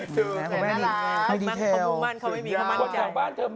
มันของมุมมันเขาไม่มีความมั่นใจ